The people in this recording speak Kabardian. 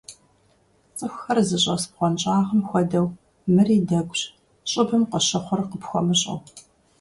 ЦӀыхухэр зыщӀэс бгъуэнщӀагъым хуэдэу, мыри дэгущ, щӀыбым къыщыхъур къыпхуэмыщӀэу.